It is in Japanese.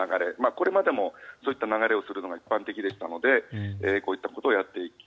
これまでもそういった流れをするのが一般的でしたのでこういったことをやっていく。